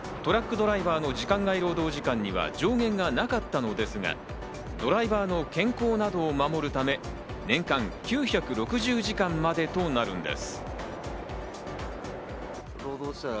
ドライバーの時間外労働時間には上限がなかったのですが、ドライバーの健康などを守るため、年間９６０時間までとなるんです。